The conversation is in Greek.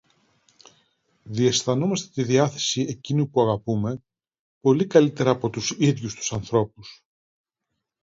διαισθανόμαστε τη διάθεση εκείνου που αγαπούμε, πολύ καλύτερα από τους ίδιους τους ανθρώπους